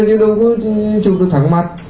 như đôi chục đôi thẳng mặt